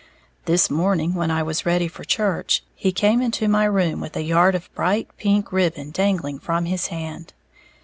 This morning when I was ready for church, he came into my room with a yard of bright pink ribbon dangling from his hand.